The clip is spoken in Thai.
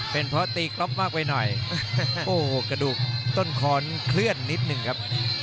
เป็นเพราะตีกรอบมากไปหน่อยโอ้โหกระดูกต้นค้อนเคลื่อนนิดหนึ่งครับ